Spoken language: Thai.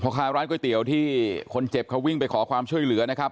ค้าร้านก๋วยเตี๋ยวที่คนเจ็บเขาวิ่งไปขอความช่วยเหลือนะครับ